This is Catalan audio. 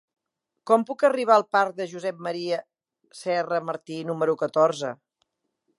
Com puc arribar al parc de Josep M. Serra Martí número catorze?